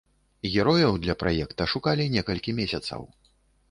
Герояў для праекта шукалі некалькі месяцаў.